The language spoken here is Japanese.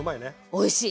おいしい。